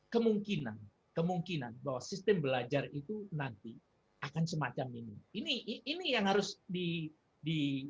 kemungkinan kemungkinan bahwa sistem belajar itu nanti akan semacam ini ini yang harus di